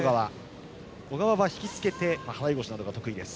小川はひきつけて払い腰などが得意です。